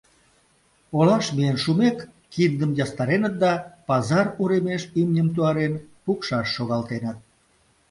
Олаш миен шумек, киндым ястареныт да, пазар уремеш имньым туарен, пукшаш шогалтеныт.